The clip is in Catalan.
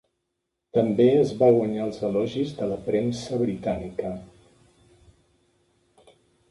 També es va guanyar els elogis de la premsa britànica.